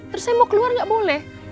terus saya mau keluar nggak boleh